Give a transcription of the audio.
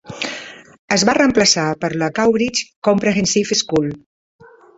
Es va reemplaçar per la Cowbridge Comprehensive School.